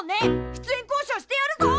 出演交渉してやるぞ！